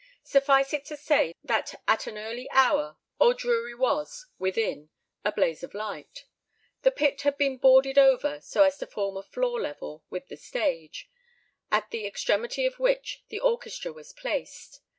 Suffice it to say that at an early hour Old Drury was, within, a blaze of light. The pit had been boarded over so as to form a floor level with the stage, at the extremity of which the orchestra was placed.